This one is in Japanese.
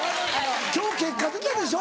今日結果出たでしょ。